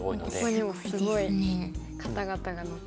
ここにもすごい方々が載ってますね。